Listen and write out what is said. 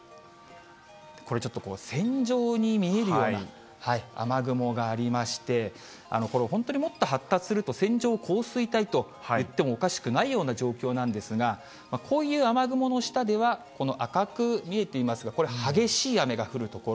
これちょっと、線状に見えるような雨雲がありまして、これもっと本当に発達すると、線状降水帯といってもおかしくないような状況なんですが、こういう雨雲の下では、この赤く見えていますが、これ、激しい雨が降る所。